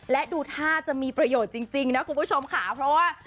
และดูท่าจะมีประโยชน์จริงนะคุณผู้ชมค่ะเพราะว่า